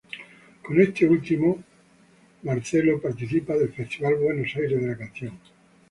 Con este último, Marcelo participa del Festival Buenos Aires de la Canción.